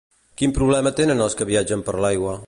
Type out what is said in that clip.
Quin problema tenen els que viatgen per l'aigua?